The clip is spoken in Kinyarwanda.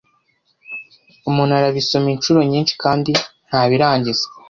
umuntu arabisoma inshuro nyinshi kandi ntabirangiza